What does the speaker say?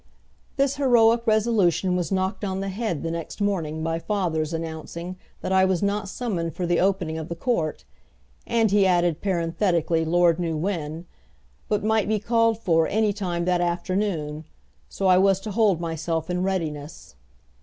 This heroic resolution was knocked on the head the next morning by father's announcing that I was not summoned for the opening of the court, and he added parenthetically Lord knew when! but might be called for any time that afternoon, so I was to hold myself in readiness.